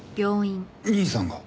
兄さんが！？